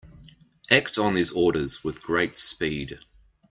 Act on these orders with great speed.